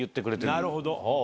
なるほど。